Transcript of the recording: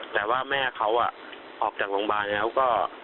แต่ว่าแม่เขาออกจากโรงพยาบาลแล้วก็